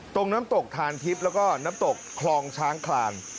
น้ำตกทานทิพย์แล้วก็น้ำตกคลองช้างคลาน